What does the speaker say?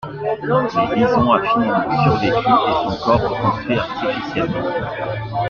Mais Bison a finalement survécu, et son corps reconstruit artificiellement.